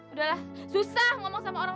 udahlah susah ngomong sama orang